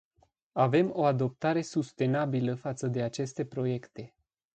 Avem o adoptare sustenabilă față de aceste proiecte.